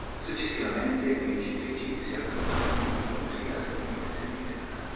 Successivamente le vincitrici si affrontano in incontri ad eliminazione diretta.